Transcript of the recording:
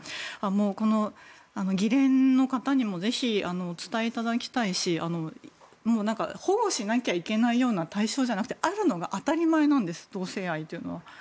この議連の方にもぜひお伝えいただきたいし保護しなきゃいけないような対象じゃなくてあるのが当たり前なんです同性愛というのは。